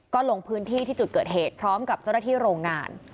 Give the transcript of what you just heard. ก็ลงพื้นที่ที่จุดเกิดเหตุพร้อมกับเจ้าหน้าที่โรงงาน